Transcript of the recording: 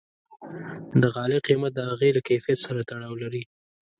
د غالۍ قیمت د هغې له کیفیت سره تړاو لري.